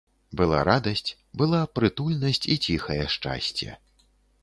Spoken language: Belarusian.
Была радасць, была прытульнасць і ціхае шчасце.